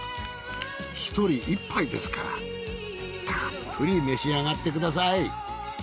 １人１杯ですからたっぷりめしあがってください。